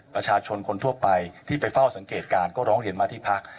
ประชาชนคนทั่วไปที่ไปเฝ้าสังเกตการณ์ก็ร้องเรียนมาที่พัก